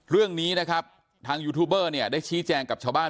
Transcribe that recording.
เรื่องนี้นะครับทางยูทูบเบอร์เนี่ยได้ชี้แจงกับชาวบ้าน